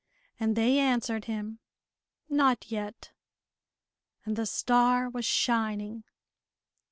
And they answered him, "Not yet," and the star was shining.